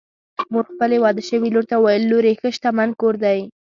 مور خپلې واده شوې لور ته وویل: لورې! ښه شتمن کور دی